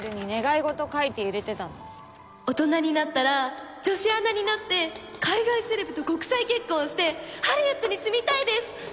「大人になったら女子アナになって海外セレブと国際結婚してハリウッドに住みたいです！！」